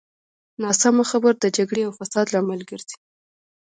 ناسمه خبره د جګړې او فساد لامل ګرځي.